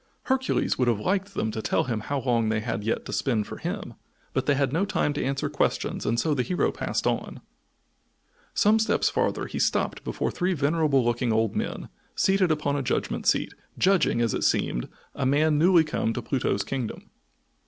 Hercules would have liked them to tell him how long they had yet to spin for him, but they had no time to answer questions and so the hero passed on. Some steps farther he stopped before three venerable looking old men, seated upon a judgment seat, judging, as it seemed, a man newly come to Pluto's kingdom.